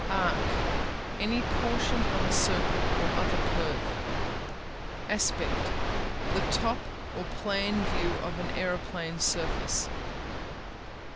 Arc Any portion of a circle or other curve. Aspect The top or plan view of an aeroplane surface.